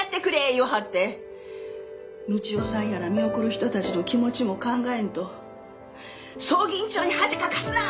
言わはって道夫さんやら見送る人たちの気持ちも考えんと葬儀委員長に恥かかすな！